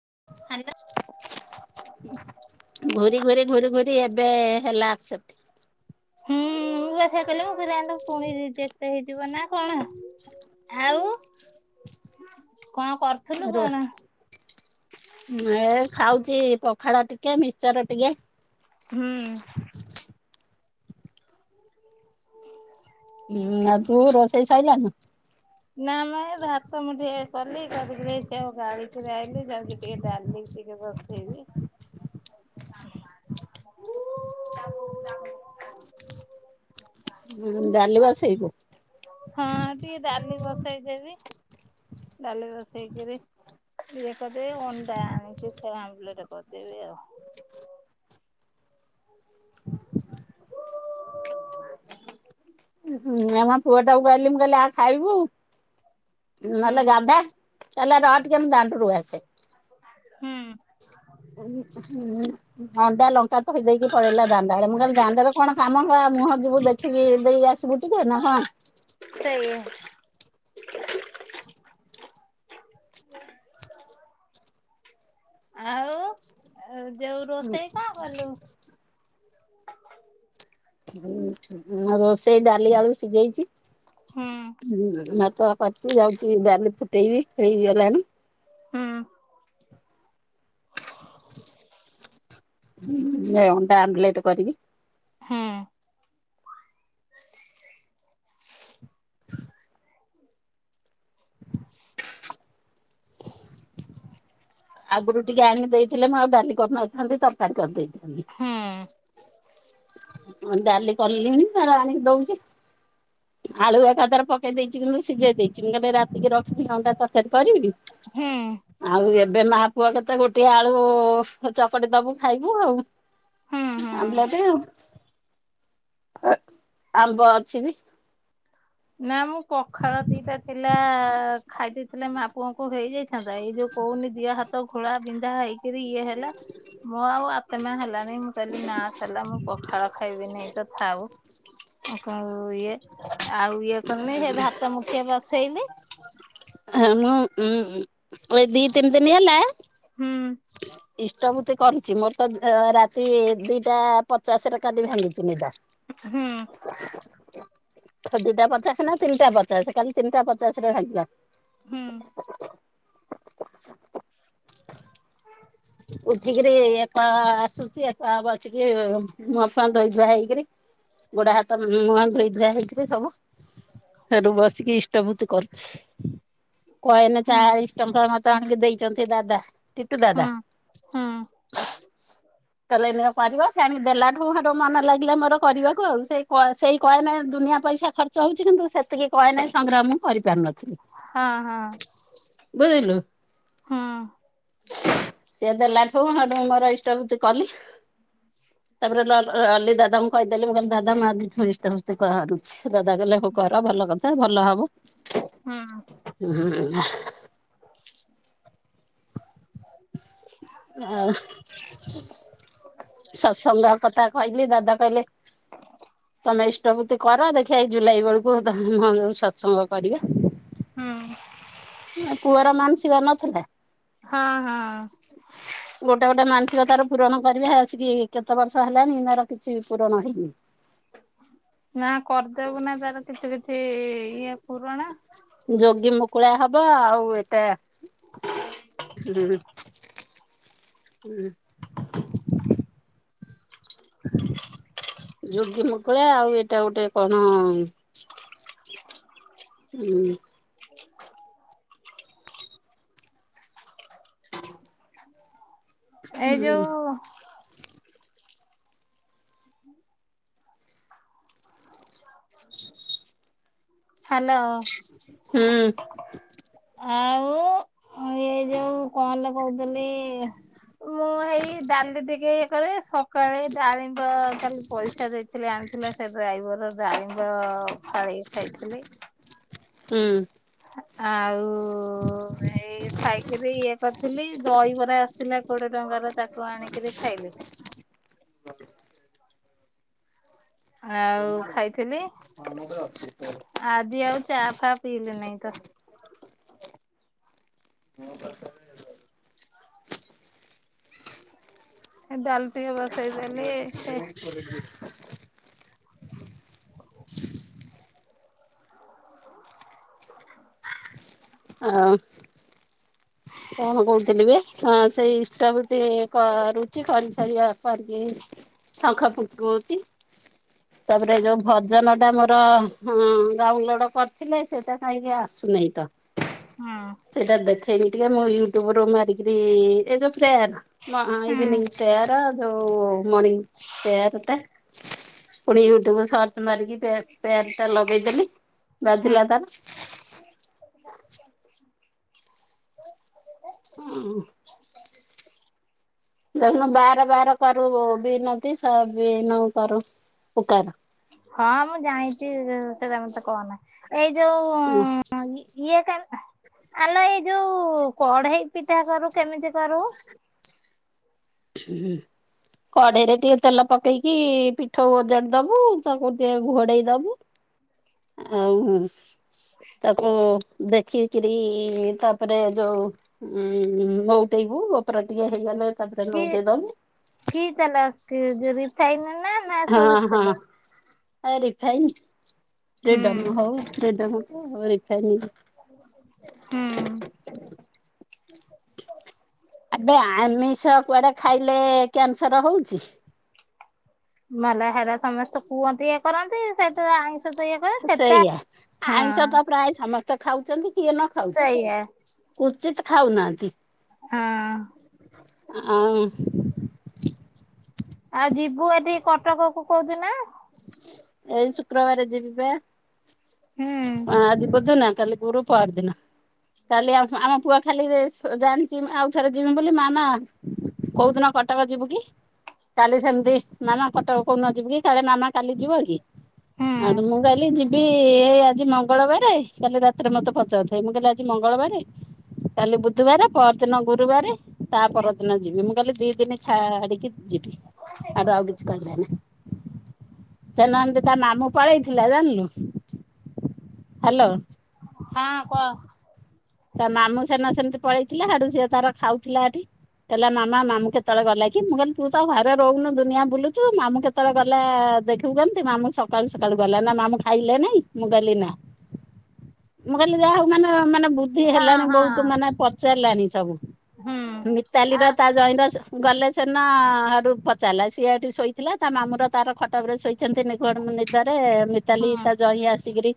Hello. ଘୁରି ଘୁରି ଘୁରି ଘୁରି ଏବେ ହେଲା ଆକ୍ସସେପଟ୍। ହୁଁ ମୁଁ ବା ସେଇ କହିଲିି ମୁଁ କ ପୁଣି ରେଜେଟ୍ ହେଇଯିବ ନା କଣ? ଆଉ କଣ କରୁଥିଲୁ କଣ? ଉ ଏ ଖାଉଛି ପଖାଳ ଟିକେ ମିକଚର ଟିକେ। ହୁଁ। ହୁଁ ଆଉ ତୁ ରୋଷେଇ ସଇଲାଣି? ନା ମ ଏ ଭାତ ମୁଁ ଟିକେ କଲି ତାକୁ [unintelligible] ଗାଳି ଆଇଲି ଯାଉଛି ଟିକେ ଡା ଲି ଟିକେ ବସେଇବି। ଉ ଡାଲି ଆ ବସେଇବୁ? ହଁ ଟିକେ ଡାଲି ବସେଇ ଦେବି ଡାଲି ବସେଇକିରି ଇଏ କରିଦେବି ଅଣ୍ଡା ଆନିକି ସେ ଆମ୍ବଲେଟ୍ କରି ଦେବି ଆଉ। ଉଁ ଆମ ପୁଅ ଟାକୁ କହିଲି ମୁଁ କହିଲି ଆ ଖାଇବୁ ହୁଁ। ନେହଲେ ଗାଧା କହିଲା ରହ ଟିକିଏ ମୁଁ ଦାଣ୍ଡରୁ ଆସେ। ହୁଁ। ହୁଁ ଅଣ୍ଡା ଲଙ୍କା ତୋଇ ଦେଇକି ପଳେଇଲା ଦାଣ୍ଡାଆଡେ ମୁଁ କହିଲି ଦାଣ୍ଡରେ କଣ କାମ କ ମୁହଁ ଯିବୁ ଦେଖିକି ଦେଇକ ଆସିବୁ ଟିକେ ନା ହଁ। ଠ [inaudible] ଆଉ [inaudible] ଯୋଉ ରୋଷେଇ କଣ କଲୁ? ହଁ ଆ ରୋଷେଇ ଡାଲି ଆଳୁ ସିଝେଇଛି। ହୁଁ ତ କରିଚ ଯାଉଛି ଡାଲି ଫୁଟେଇବି ହେଇି ଗଲାଣି। ହୁଁ। ଏ ଅଣ୍ଡା ଆମଲେଟ୍ କରିବି। ହୁଁ। ଆଗୁରୁ ଟିକେ ଆଣିକି ଦେଇଥିଲେ ମୁଁ ଆଉ ଡାଲି କରି ନଥାନ୍ତି, ତରକାରୀ କରି ଦେଇଥାନ୍ତି। ହୁଁ। ମୁଁ ଡାଲି କଲିଣି ତାର ଆଣିକି ଦଉଛି। ଆଳୁ ଏକାଥରେ ପକେଇ ଦେଇଛି, କିନ୍ତୁ ସିଝେଇ ଦେଇଛି ମୁଁ [unintelligible] ରାତିକି ରଖିବି ଅଣ୍ଡା ତରକାରୀ କରିବି। ହୁଁ। ଆଉ ଏବେ ମା ପୁଅ କେତେ ଗୋଟିଏ ଆଳୁ ଚକଡି ଦବୁ ଖାଇବୁ ଆଉ। ହୁଁ ହୁଁ। [unintelligible] ଅ ଆମ୍ବ ଅଛି ବି। ନା ମୁଁ ପଖାଳ ଦିଟା ଥିଲା ଖାଇଦେଇଥିଲେ ମା ପ [unintelligible] ହେଇଯାଇଥାନ୍ତା ଏଇ ଯୋଉ କହୁନି ଦିହ ହାତ ଘୋଳା ବିନ୍ଧା ହେଇକିରି ଇଏ ହେଲା। ମୁଁ ଆଉ ଆତ୍ମା ହେଲାନି, ମୁଁ କହିଲି ନା ତାହେଲା ମୁଁ ପଖାଳ ଖାଇବି ନାଇ ତ ଥାଉ। ଆଉ କଣ ଇଏ ଆଉ ଇଏ କଲିନି ହେଇ ଭାତ ମୁଠିଏ ବସେଇଲି। ହ ଲୋ ଉଁ ଏଇ ଦି ତିନି ଦିନ ହେଲା। ହୁଁ ଇଷ୍ଟବୁତ୍ତି କରିଚି ମୋର ତ ଅ ରାତି ଦିଟା ପ [unintelligible] [unintelligible] କାଲି ଭାଙ୍ଗିଚି ନିଦ ହୁଁ। ଦି ଟା ପଚାଶ ନା ତିନି ଟା ପଚାଶ କାଲି ତିନିଟା ପଚାଶ ରେ ଭାଙ୍ଗିଲା। [inaudible] ହୁଁ ଉଠିକିରି ଏକା ଆସୁଛି, ଏକା ବସିକି ମୁହଁ ଫୁହଁ ଧୋଇ ଧୁଆ ହେଇକିରି। ଗୋଡ ହାତ ମୁ ମୁହଁ ଧୋଇ ଧୁଆ ହେଇକିରି ସବୁ ଫେର ବସିକି ଇଷ୍ଟଭୂତି କରୁଛି। କଏନ ହୁଁ ଚାଳିିଶ ଟଙ୍କା ମତେ ଆଣିକି ଦେଇଛନ୍ତି ଦାଦା ଟିଟୁ ହୁଁ ଦାଦା। ହୁଁ। କହିଲେ ନିଅ କରିବ ସେ ଆଣିକି ଦେଲାଠୁ, ସେଠୁ ମନ ଲାଗିଲା ମୋର କରିବାକୁ ଆଉ ସେଇ କଏ ସେଇ କଏନ ଦୁ ଦୁନିଆ ପଇସା ଖର୍ଚ୍ଚ ହଉଛି, କିନ୍ତୁ ସେତିକି କଏନ ସଂଗ୍ରହ ମୁଁ କରି ପାରୁନ ହଁ ହଁ। ବୁଝିଲୁ। ହଁ। ସିଏ ଦେଲା ଠୁ ସେଠୁ ମୋର ଇଷ୍ଟଭୂତି କଲି। [inaudible] ତାପରେ ଲ ଲଲି ଦାଦାଙ୍କୁ କହିଦେଲି ମୁଁ କହିଲି ଦାଦା ମୁଁ ଆଜିଠୁ ଇଷ୍ଟଭୂତି କରୁଛି, ଦାଦା କହିଲେ ହଉ କର ଭଲ। ଭଲ କଥା ଭଲ ହବ ହୁଁ ହୁଁ। ଆଉ ସତ୍‌ସଙ୍ଗ କଥା କହିଲି ଦାଦା କହିଲେ ତମେ ଇଷ୍ଟଭୂତି କର ଦେଖିବା ଏଇ ଜୁଲାଇ ବେଳୁକୁ [unintelligible] ସତ୍‌ସଙ୍ଗ କରିବା। ହୁଁ। ଏ ପୁଅର ମାନସିକ ନଥିଲା। ହଁ ହଁ। କିଏ ତାର ପୂରଣ କରିବ ଆସିକି କେତେ ବର୍ଷ ହେଲାଣି, ମୋର କିଛି ପୂରଣ ହେଇନି। ନା କରିଦବୁ ନା ତାର କିଛି କିଛି ଇଏ ପୂରଣ ଯୋଗୀ ମୁକୁଳା ହବ ଆଉ ଏଟା ହୁଁ ହୁଁ। ଯୋଗୀ ମୁକୁଳା ଆଉ ଏଇଟା ଗୋଟେ କଣ ହୁଁ। [inaudible] ଏଇ ଯୋଉ ହ୍ୟାଲୋ। ହୁଁ। ଆଉ ଇଏ ଯୋଉ କଣଲୋ କହୁଥିଲି। ମୁଁ ହେଇ ଡାଲି ଟିକେ ଇଏ କରେ ସକାଳେ ଡାଳିମ୍ବ କାଲି ପଇସା ଦେଇଥିଲି ଆଣି ଥିଲା ସେ ଡ୍ରାଇଭର ଡାଳିମ୍ବ ଫାଳିଏ ଖାଇଥିଲେ। ହୁଁ। ଆଉ ଏଇ [inaudible] ଖାଇକିରି ଇଏ କରିଥିଲି ଦହିବରା ଥିଲା କୋଡିଏ ଟଙ୍କାର ତାକୁ ଆଣିକିରି ଖାଇଲି। ଆଉ ଖାଇଥିଲି ଆଜି ଆଉ ଚା ଫା ପିଇଲି ନାଇଁ। ଚା। ମୋ ପାଖରେ ଡାଲି ଟିକେ ବସେଇଦେଲି ହେ ଅଁ ହ। [inaudible] କଣ କହୁଥିଲି ବେ ହଁ ସେଇ ଇଷ୍ଟା [unintelligible] କରୁଚି କରି ସାରିବା କରିକି ଶଙ୍ଖ ଫୁଙ୍ଖୁଚି। ତାପରେ ଯୋଉ ଭଜନ ଟା ମୋର ହଁ ଡାଉନଲୋଡ କରିଥିଲେ ସେଟା କାହିଁକି ଆସ ନାହିଁ ତ ହୁଁ ସେଇଟା ଦେଖେଇନି ଟିକେ ମୁଁ ୟୁଟ୍ୟୁବୁ ରୁ ଗି ଇଏ ଯୋଉ ପ୍ରେୟର ହୁଁ ଇଭିନିଂ ପ୍ରେୟର ହୋଉ ମଣିଙ୍ଗ ପ୍ରେୟାର ଟା ପୁଣି ୟୁଟ୍ୟୁବ ରୁ ସର୍ଚ୍ଚ ମାରିକି ପ୍ରେୟାର ପ୍ରେୟାର ଟା ଲଗେଇଦେଲି ବାଜିଲା ହୁଁ। ତାର [inaudible] ଉଁ ହୁଁ। ଦେଖୁନ ବାର ବାର କରୁ ବିନତି ସେ ବିନୁ କରୁ ଉପକାର। ହଁ ମୁଁ ଜାଣିଛି ସେଟା ମତେ କହନା, ଏଇ ଯୋଉ ଇଏ କା ଆଲୋ ଏଇ ଯୋଉ କଢେଇ ପିଠା କରୁ କେମିତି କରୁ? [inaudible] କଢେଇରେ ଟିକେ ତେଲ ପକେଇକି ପିଠଉ ଓଜାଡିଦବୁ ତାକୁ ଟିକେ ଘୋଡେଇ ଦବୁ। ଆଉ ତାକୁ ଦେଖିକିରି ତାପରେ ଯୋଉ ନୋଉଟେଇବୁ ଉପୋର ଟିକେ ହେଇଗଲେ କି ନୋଉଟେଇଦବୁ। କି ତେଲ କି ରିଫାଇନ ନା ନା ହଁ ସୋରିଷ ହଁ ତେଲ? ରିଫାଇନ। ହୁଁ ଫ୍ରୀଡମ୍ ହଉ ଫ୍ରୀଡମ୍ କୁ ରିଫାଇନ ହୁଁ। ଆବେ ଆମିଷ କୁଆଡେ ଖାଇଲେ କ୍ୟାନସର ହଉଛି? ମଲା ହେରା ସମସ୍ତେ କୁହନ୍ତି। କରନ୍ତି ସେତ ଆଇଁଷ ତ ଇଏ କରେ ସେଟା ସେଇଆ। ହଁ। ଆଇଁଷ ପ୍ରାୟ ତ ସମସ୍ତେ ଖାଉଛନ୍ତି କିଏ ନ ଖାଉଛି ସେଇଆ ଉଚିତ ଖାଉନାହାନ୍ତି। ହଁ। ଆଉଁ। ଆଉ ଯିବୁ ଏଠି କଟକ କୁ କୋଉ ଦିନ? ଏଇ ଶୁକ୍ରବାର ଯିବି ପା। ହୁଁ ହଁ, ଆଜି ବୁଧୁ ନା କାଲିି ଗୁରୁ ପଅରଦିନ। କାଲି ଆମ ଆମ ପୁଅ ଖାଲି ସ ଜାଣିଛି, ଆଉ ଥରେ ଯିମି ବୋଲି ମାମା କୋଉଦିନ କଟକ ଯିବୁ କି? କାଲି ସେମିତି! ମାମା କଟକ କୋଉ ଦିନଯିବୁ କି କାଳେ ମାମା କାଲି ଯିବ କି? ହୁଁ ଆତ୍ ମୁଁ କଇଲି ଜିବିି-ଇ-ଇ-ହେଇ ଆ ଆଜି ମଙ୍ଗଳବାରେ କାଲି ରାତିରେ ମତେ ପଚାରୁଥାଏ ମୁଁ କହିଲି ଆଜି ମଙ୍ଗଳବାରେ କାଲି ବୁଧବାରେ ପରଦିନ ଗୁରୁବାରେ ତା ପରଦିନ ଯିବି। ମୁଁ କହିଲି ଦି ଦିନ ଛା-ଆ-ଆଡିକି ଯିବି। ଆଡୁ ଆଉ କିଛି କହିଲେ ନି। ସେ ନାନ୍ତି। ତା ମାମୁଁ ପଳେଇଥିଲା, ଜାଣିଲୁ। ହ୍ୟାଲୋ! ହଁ କହ, ତା ମାମୁଁ ସେନ ଅ ସେମିତି ପଳେଇଥିଲା। ହେଠୁ ସିଏ ତାର ଖାଉଥିଲା ଏଠି। କହିଲା ମାମା, ମାମୁଁ କେତେବେଳେ ଗଲା କି? ମୁଁ କହିଲି ତୁ ତ ଘରେ ରହୁନୁ ଦୁନିଆ ବୁଲୁଛୁ। ମାମୁଁ କେତେବେଳେ ଗଲା-ଆ ଦେଖିବୁ କେମିତି? ମାମୁଁ ସକାଳୁ ସକାଳୁ ଗଲା ନା। ମାମୁଁ ଖାଇଲେ ନାଇଁ? ମୁଁ କହିଲି ନା। [unintelligible] ମୁଁ କହିଲି, ଯାହା ହଉ ମାନେ ମାନେ ବୁଦ୍ଧି ହଁ ହେଲାଣି ହଁ ବହୁତ। ମାନେ ପଚାରିଲାଣି ସବୁ। ହୁଁ ମିତାଲି ଆ ର ତା ଜଇଁର ସ ଗଲେ। ସେନା ହାଟୁ ପଚାରିଲା। ସିଏ ଏଠି ଶୋଇଥିଲା ତା ମାମୁଁ ର ତାର ଖଟପରେ ଶୋଇଛନ୍ତି ନିଘୋଡ଼ ନିଦରେ-ଏ। ମିତାଲି ହୁଁ ତା ଜଇଁ ଆସିକିରି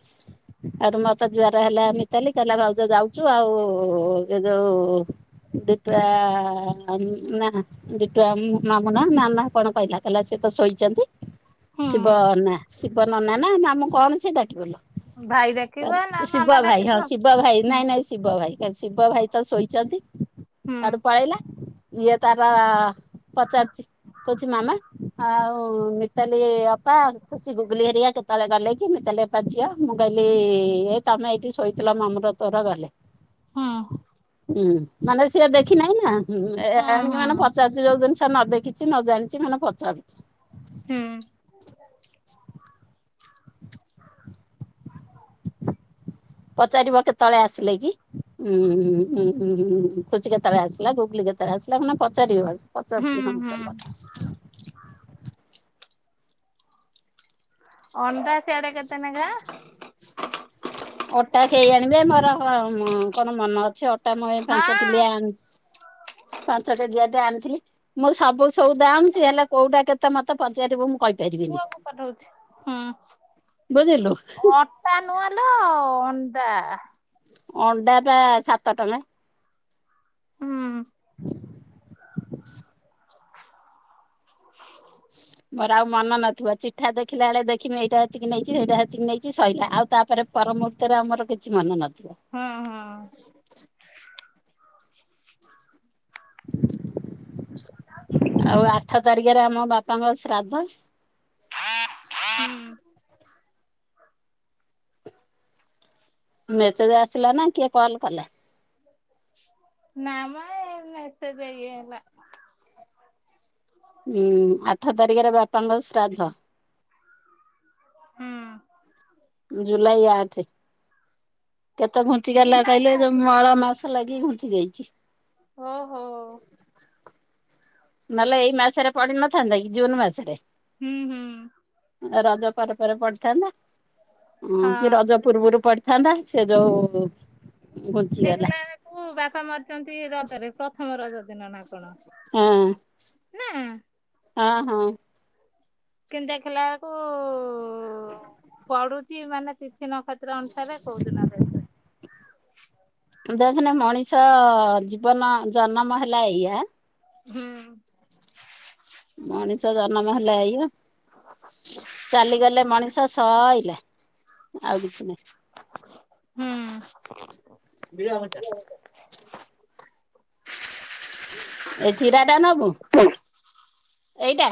ଆ ମୋତେ ଜୁଆର ହେଲା ମିତାଲି! କହିଲା ଭାଉଜ ଯାଉ ଚୁ ଆଉ-ଉ ଏ ଯଉ ଦୁତୁଆ-ଆ-ଆ ନା। ଦିଟୁଆ ନାମ ନା ନା କଣ କହିଲା? କହିଲା ସେ ତ ଶୋଇଛନ୍ତି। ଶିବ ହୁଁ। ନା ଶିବ ନନା ନା, ମାମୁଁ କଣ ସେ ଡାକିିବ ଲୋ? ଭାଇ ତାର, ଡାକିବ ନା ଶିବୁଆ ମାମା ଭାଇ ହଁ, ଡାକିଥିବ? ଶିବଭାଇ ହୁଁ ନାଇଁ, ନାଇଁ ଶିବ ଭାଇ କ ଶିବ ଭାଇ ତ ଶୋଇଛନ୍ତି। ହୁଁ ଆଡୁ ପଳେଇଲା। ଇଏ ତାରା ପଚାରୁଚି। କହୁଛି! ମାମା ଆଉ ମିତାଲି ଅପା, ଖୁସି ଗୁଗୁଲି ହେରଆ କେତେବେଳେ ଗଲେ କି? ମୁଁ ତ କଲେ ପାଚିଆ, ମୁଁ କହିଲି-ଇ ଏ ତମେ ଏଇଠି ଶୋଇଥିଲ, ମାମୁଁ ର ତୋର ଗଲେ। ହଁ। ହୁଁ ମାନେ ସିଏ ଦେଖି ନାହିଁ ନାଁ ଏ-ଏ -ଏଣିକି ହୁଁ ମାନେ ପଚାରୁଛି, ଯୋଉ ଦିନିଷ ସେ ନ ଦେଖିଛି, ନ ଜାଣିଛି, ମାନେ ପଚାରୁଛି। ହୁଁ। ପଚାରିବ କେତଳେ ଆସିଲେ କି? ଉଁ ଉଁ ହୁ ଉଁହୁ ହୁ, ଖୁସି କେତେଳେ ଆସିଲା? ଗୁଗଲି କେ କେତେଳେ ଆସିଲା। ମାନେ ପଚାରିବ ହୁଁ ପଚାରୁଛି ହୁଁ ସମସ୍ତଙ୍କ କଥା। ଅଣ୍ଡା ସେଆଡେ କେତେନାଖା? ଅଟା ଖେଇ ଆଣିବେ। ମୋର-ଅ-ମ କଣ ମନ ଅ ଛି। ଅଟା ମଇ ପାଞ୍ଚ କିଲିଆ ହଁ ଆଣ। ପାଞ୍ଚ କେଜିଆ ଆଣିଥିଲି। ମୁଁ ସବୁ ସଉଦା ଆଣୁଛି ହେଲେ, କୋଉଟା କେତେ ମତେ ପଚାରିବୁ? ମୁଁ କହିପାରିବିନି। ପୁଅକୁ ପଠଉଛି। ବୁଝିଲୁ ହୁଁ ଅଟା ନୂଆଲୋ ଅ ଦାଆଃ। ଅଣ୍ଡା ଟା ସାତ ଟଙ୍କା। ହୁଁ। [unintelligible] [unintelligible] ମୋର ଆଉ ମନ ନଥିବ। ଚିଠା ଦେଖିଲା ବେଳେ ଦେଖମି ଏଇଟା ଏତିକି ନେଇଛି, ସେଇଟା ଏତିକି ନେଇଛି, ସଇିଲା। ଆଉ ତାପରେ ପରମୂହୂର୍ତ୍ତରେ ଆମର କିଛି ମନେ ନଥ ହୁଁ ହୁଁ। ଆଉ ଆଠ ତାରିଖ ରେ ଆମ ବାପାଙ୍କ ଶ୍ରାଦ୍ଧ। ମେସେଜ ଆସିଲା ନା, କିଏ କଲ କଲା? ନା-ଆ ମ ମେସେଜ ଇଏ ହେଲା। ହୁଁ ଆଠ ତାରିଖରେ ବାପାଙ୍କ ଶ୍ରାଦ୍ଧ। ହୁଁ। ଜୁଲାଇ ଆଠେ କେତେ ଘୁଞ୍ଚି ଗଲା ଜୁଲାଇ କହିଲେ ଏଇ ଯୋଉ ଆଠରେ ମଳ ମାସ ଲାଗି। କି ଘଞ୍ଚି ଯାଇଚି। ଓ ହୋ। ନହେଲେ ଏଇ ମାସରେ ପଡି ନଥାନ୍ତା କି ଜୁନ୍ ମାସରେ। ହୁଁ ହୁଁ। ରଜ ପରେ ପରେ ପଡିଥାନ୍ତା କି ହଁ। ରଜ ପୂର୍ବରୁ ପଡି ଥାନ୍ତା ସେ ଯୋଉ ଘୁଞ୍ଚିଗଲା ଦେଖିଲାକୁ ବେଳକୁ ବାପା ମରିଚନ୍ତି ରଜରେ ପ୍ରଥମ ରଜ ଦିନ ନା କଣ। ହଁ। ନା ହଁ ହଁ। କିନ୍ତୁ ଦେଖିଲାବେଳକୁ ପଡୁଚି ମାନେ ତି ଥି ନକ୍ଷେତ୍ର ଅନୁସାରେ କୋଉ ଦିନ ଦେଖେ। ଦେଖନି ମଣିଷ ଜୀବନ ଜନ୍ମ ହେଲା ଏଇଆ ହୁଁ। ମଣିଷ ଜନମ ହେଲା ଆଇ। ଚାଲିଗଲେ ମଣିଷ ସଇଲା ଆଉ କିଛି ନାହିଁ। ହୁଁ। ଏ ଚିରାଟା ନବୁ। ଏଇଟା